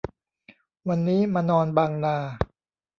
วันนี้มานอนบางนา